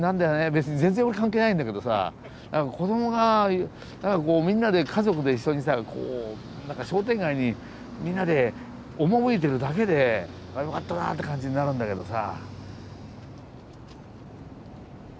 別に全然俺関係ないんだけどさ何か子供がみんなで家族で一緒にさ商店街にみんなで赴いてるだけであよかったなって感じになるんだけどさ。